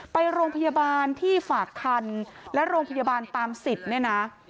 ไปโรงพยาบาลที่ฝากคันและโรงพยาบาลตามสิทธิ์เนี่ยนะ